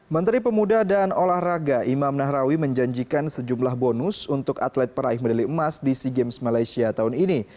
menteri pemuda dan olahraga imam nahrawi menjanjikan sejumlah bonus untuk atlet peraih medali emas di sea games malaysia tahun ini